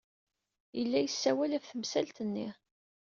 Yella yessawal ɣef temsalt-nni.